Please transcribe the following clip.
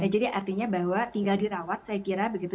jadi artinya bahwa tinggal dirawat saya kira begitu